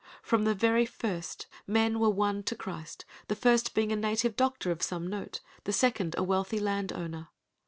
From the very first men were won to Christ; the first being a native doctor of some note, the second a wealthy land owner.